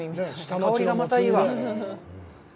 香りがまたいいわ。